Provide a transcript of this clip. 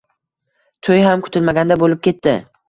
To`y ham kutilmaganda bo`lib ketdi